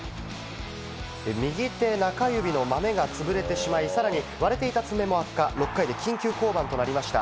右手中指のマメが潰れてしまい、さらに割れていた爪も悪化、６回で緊急降板となりました。